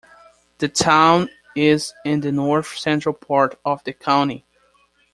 The town is in the north-central part of the county.